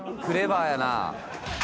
クレバーやな。